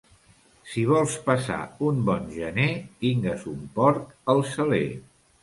Si vols passar un bon gener tingues un porc al saler.